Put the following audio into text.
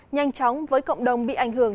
nhanh chóng với cộng đồng bị ảnh hưởng